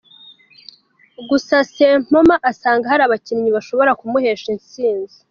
Gusa Sempoma asanga hari abakinnyi bashobora kumuhesha intsinzi.